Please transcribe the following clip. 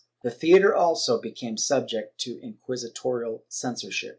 The theatre also became subject to inquisitorial censorship.